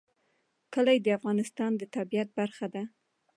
کلي د افغانستان د طبیعت برخه ده.